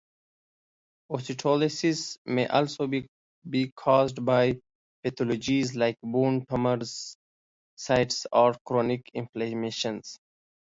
Osteolysis may also be caused by pathologies like bone tumors, cysts, or chronic inflammation.